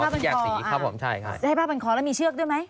ผ้าบรรคอครับผมใช่ใช่ใช่ผ้าบรรคอแล้วมีเชือกด้วยไหม